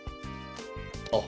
あっ。